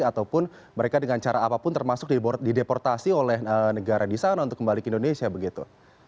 ataupun mereka dengan cara apapun termasuk dideportasi oleh negara di sana untuk kembali ke indonesia begitu